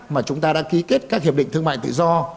mà chúng ta đã ký kết các hiệp định thương mại tự do